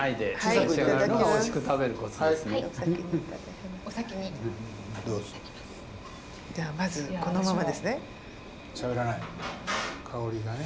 ではまずこのままですね。